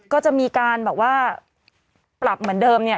ก็จะมีการแบบว่าปรับเหมือนเดิมเนี่ย